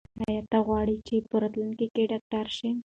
ایا ته غواړې چې په راتلونکي کې ډاکټر شې؟